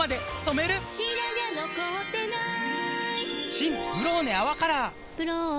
新「ブローネ泡カラー」「ブローネ」